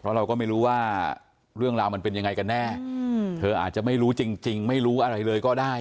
เพราะเราก็ไม่รู้ว่าเรื่องราวมันเป็นยังไงกันแน่เธออาจจะไม่รู้จริงไม่รู้อะไรเลยก็ได้